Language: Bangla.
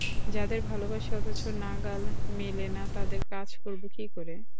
যাদের ভালোবাসি অথচ নাগাল মেলে না, তাদের কাজ করব কী করে?